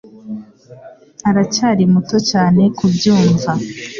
aracyari muto cyane kubyumva.